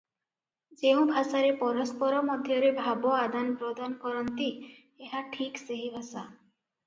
ଯେଉଁ ଭାଷାରେ ପରସ୍ପର ମଧ୍ୟରେ ଭାବ ଆଦାନପ୍ରଦାନ କରନ୍ତି ଏହା ଠିକ ସେହି ଭାଷା ।